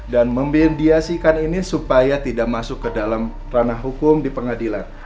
dan membendiasikan ini supaya tidak masuk ke dalam ranah hukum di pengadilan